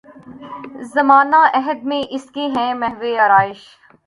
زمانہ عہد میں اس کے ہے محو آرایش